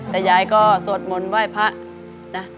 แต่ยายก็สวดมนต์ไหว้พระนะ